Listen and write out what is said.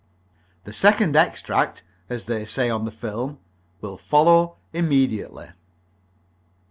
The Second Extract, as they say on the film, will follow immediately.